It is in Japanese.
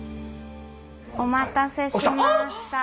お待たせしました。